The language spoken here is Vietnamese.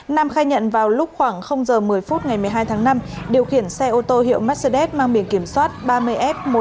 nam khai nhận vào lúc khoảng giờ một mươi phút ngày một mươi hai tháng năm điều khiển xe ô tô hiệu mercedes mang biển kiểm soát ba mươi f một mươi sáu nghìn tám trăm sáu mươi năm